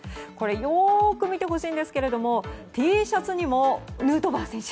よく見てほしいんですがＴシャツにもヌートバー選手。